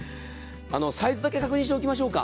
サイズだけ確認しておきましょうか。